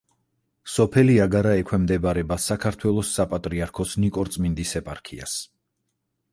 სოფელი აგარა ექვემდებარება საქართველოს საპატრიარქოს ნიკორწმინდის ეპარქიას.